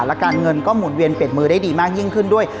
และการเงินก็หมุนเวียนเปลี่ยนมือได้ดีมากยิ่งขึ้นด้วย